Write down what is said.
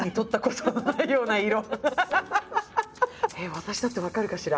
私だって分かるかしら。